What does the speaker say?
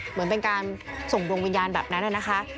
เหมือนเป็นการส่งดวงวิญญาณแบบนั้นนะคะ